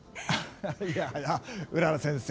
いやはや、うらら先生